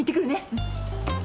うん。